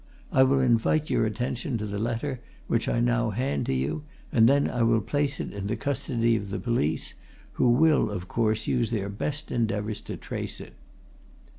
I will invite your attention to the letter, which I now hand to you, and then I will place it in the custody of the police, who will, of course, use their best endeavours to trace it."